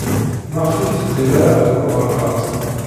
Maɣef ur teqqil ara ɣer uɣerbaz?